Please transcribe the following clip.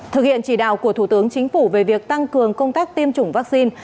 thực hiện chỉ đạo của thủ tướng chính phủ về việc tăng cường công tác tiêm chủng vaccine